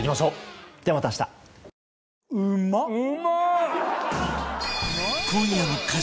うまい！